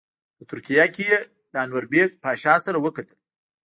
په ترکیه کې یې د انوربیګ پاشا سره وکتل.